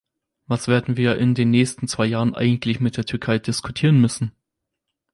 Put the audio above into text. Was werden wir in den nächsten zwei Jahren eigentlich mit der Türkei diskutieren müssen?